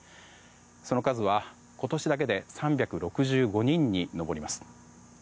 その数は今年だけで３６５人登ります。